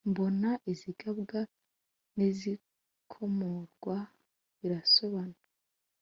mbona izigabwa n’izikomorwa birasobana